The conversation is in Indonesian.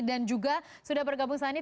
dan juga sudah bergabung saat ini